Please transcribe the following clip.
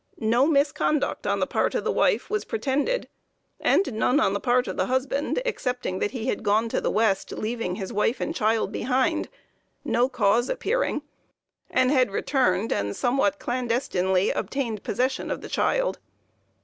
No misconduct on the part of the wife was pretended, and none on the part of the husband, excepting that he had gone to the west leaving his wife and child behind, no cause appearing, and had returned, and somewhat clandestinely obtained possession of the child.